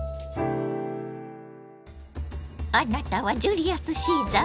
あなたはジュリアス・シーザー？